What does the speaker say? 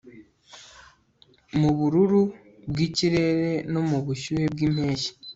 Mubururu bwikirere no mubushyuhe bwimpeshyi